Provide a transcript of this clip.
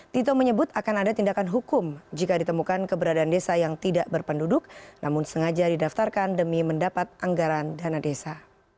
tito menyebut akan ada tindakan hukum jika ditemukan keberadaan desa yang tidak berpenduduk namun sengaja didaftarkan demi mendapat anggaran dana desa